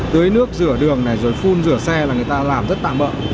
tưới nước rửa đường phun rửa xe là người ta làm rất tạm bợ